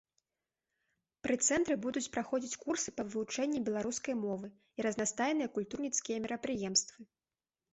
Пры цэнтры будуць праходзіць курсы па вывучэнні беларускай мовы і разнастайныя культурніцкія мерапрыемствы.